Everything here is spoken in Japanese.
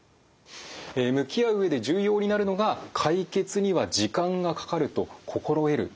向き合う上で重要になるのが「解決には時間がかかると心得る」ということなんですけども。